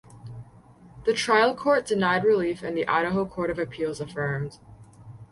The trial court denied relief and the Idaho Court of Appeals affirmed.